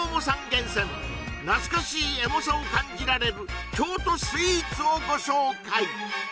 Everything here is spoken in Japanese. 厳選懐かしいエモさを感じられる京都スイーツをご紹介